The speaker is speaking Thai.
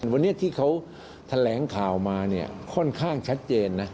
วันนี้ที่เขาแถลงข่าวมาเนี่ยค่อนข้างชัดเจนนะ